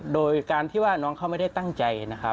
โดยการที่ว่าน้องเขาไม่ได้ตั้งใจนะครับ